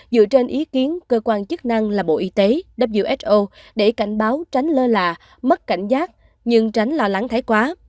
dựa trên ý kiến cơ quan chức năng là bộ y tế who để cảnh báo tránh lơ là mất cảnh giác nhưng tránh lo lắng thái quá